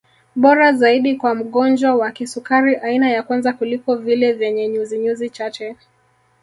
Bora zaidi kwa mgonjwa wa kisukari aina ya kwanza kuliko vile vyenye nyuzinyuzi chache